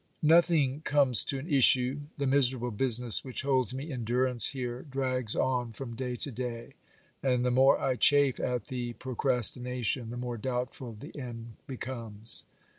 Nothing comes to an issue ; the miserable business which holds me in durance here drags on from day to day, and the more I chafe at the procrastination, the more doubtful the end becomes.